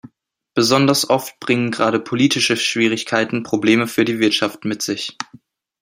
Besonders oft bringen gerade politische Schwierigkeiten Probleme für die Wirtschaft mit sich.